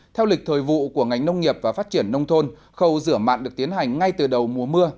theo lịch thời vụ của ngành nông nghiệp và phát triển nông thôn khâu rửa mạn được tiến hành ngay từ đầu mùa mưa